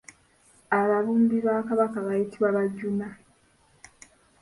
Ababumbi ba kabaka bayitibwa Bajoona.